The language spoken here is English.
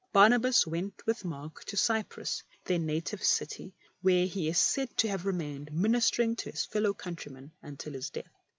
Barnabas went with Mark to Cyprus, their native city, where he is said to have remained, ministering to his fellow country men until his death.